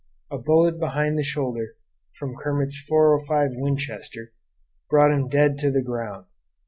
A bullet behind the shoulder, from Kermit's 405 Winchester, brought him dead to the ground.